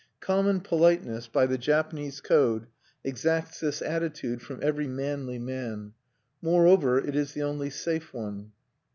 Common politeness, by the Japanese code, exacts this attitude from every manly man; moreover, it is the only safe one.